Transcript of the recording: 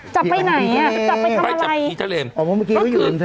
จับไปไหนอ่ะจับไปทำอะไรไปจับผีทะเลเพราะว่าเมื่อกี้เขาอยู่ในทะเล